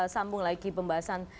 sambung lagi pembahasan